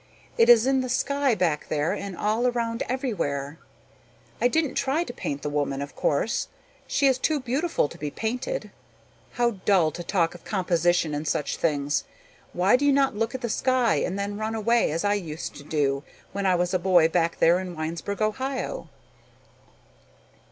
It is in the sky back there and all around everywhere. I didn't try to paint the woman, of course. She is too beautiful to be painted. How dull to talk of composition and such things! Why do you not look at the sky and then run away as I used to do when I was a boy back there in Winesburg, Ohio?"